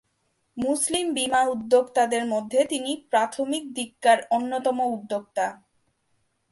মুসলিম বীমা উদ্যোক্তাদের মধ্যে তিনি প্রথমদিককার অন্যতম উদ্যোক্তা।